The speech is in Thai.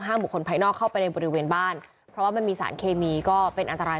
บุคคลภายนอกเข้าไปในบริเวณบ้านเพราะว่ามันมีสารเคมีก็เป็นอันตราย